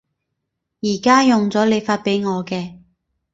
而家用咗你發畀我嘅